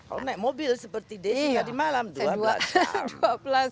kalau naik mobil seperti desy tadi malam dua belas jam